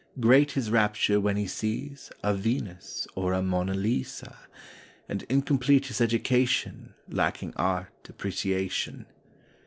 Great his rapture when he sees a Venus or a Mona Lisa; And incomplete his education Lacking Art Appreciation.